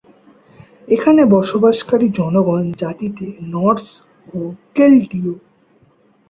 এখানে বসবাসকারী জনগণ জাতিতে নর্স ও কেল্টীয়।